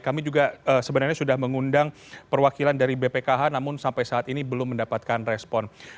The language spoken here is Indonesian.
kami juga sebenarnya sudah mengundang perwakilan dari bpkh namun sampai saat ini belum mendapatkan respon